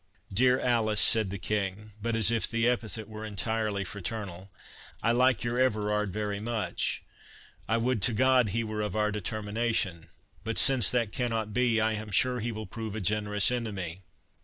"Dear Alice," said the King, but as if the epithet were entirely fraternal, "I like your Everard much—I would to God he were of our determination—But since that cannot be, I am sure he will prove a generous enemy."